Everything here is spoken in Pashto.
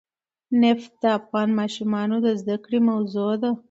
نفت د افغان ماشومانو د زده کړې موضوع ده.